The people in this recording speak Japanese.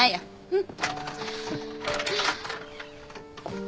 うん。